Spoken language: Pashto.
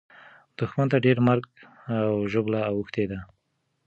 دښمن ته ډېره مرګ او ژوبله اوښتې ده.